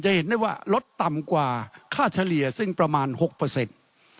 เห็นได้ว่าลดต่ำกว่าค่าเฉลี่ยซึ่งประมาณหกเปอร์เซ็นต์